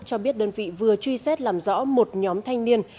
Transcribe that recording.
cho biết đơn vị vừa truy xét làm rõ một nhóm thanh niên